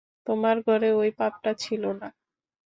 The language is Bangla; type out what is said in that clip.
–তোমার ঘরে ওই পাপটা ছিল না।